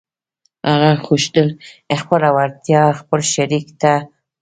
هغه غوښتل خپله وړتيا خپل شريک ته وښيي.